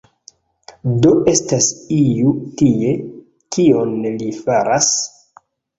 Do estas iu tie, kion li faras?